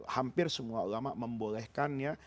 hampir semua ulama membolehkannya